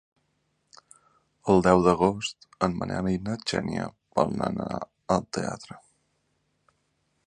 El deu d'agost en Manel i na Xènia volen anar al teatre.